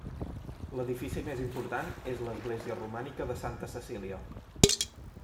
L'edifici més important és l'església romànica de Santa Cecília.